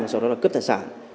và sau đó là cướp tài sản